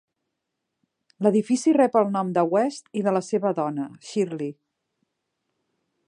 L'edifici rep el nom de West i de la seva dona, Shirley.